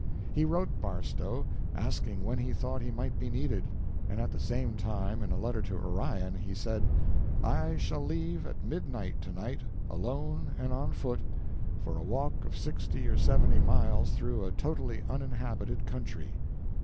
He wrote Barstow, asking when he thought he might be needed. And at the same time, in a letter to Orion, he said: "I shall leave at midnight to night, alone and on foot, for a walk of sixty or seventy miles through a totally uninhabited country.